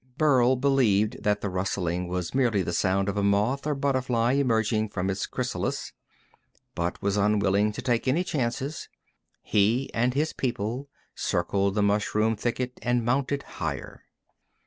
Burl believed that the rustling was merely the sound of a moth or butterfly emerging from its chrysalis, but was unwilling to take any chances. He and his people circled the mushroom thicket and mounted higher.